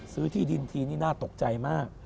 ที่ดินทีนี้น่าตกใจมาก